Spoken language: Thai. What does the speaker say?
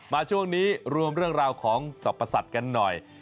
มาช่วงนี้รวมเรื่องราวของสรรพสัตว์กันหน่อย